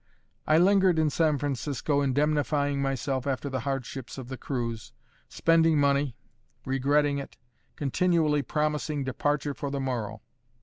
I lingered in San Francisco, indemnifying myself after the hardships of the cruise, spending money, regretting it, continually promising departure for the morrow.